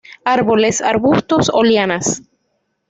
Árboles, arbustos o lianas.